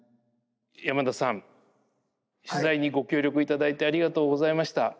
山田さん取材にご協力いただいてありがとうございました。